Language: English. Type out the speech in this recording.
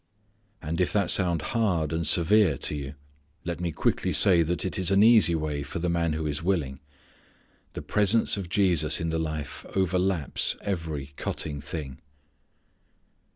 And if that sound hard and severe to you let me quickly say that it is an easy way for the man who is willing. The presence of Jesus in the life overlaps every cutting thing.